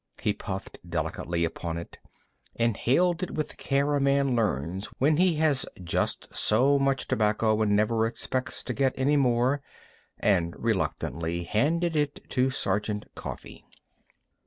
He puffed delicately upon it, inhaled it with the care a man learns when he has just so much tobacco and never expects to get any more, and reluctantly handed it to Sergeant Coffee.